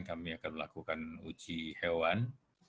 kami akan melakukan uji hewan